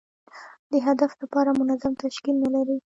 د هدف لپاره منظم تشکیل نه لري.